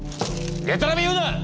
でたらめ言うな！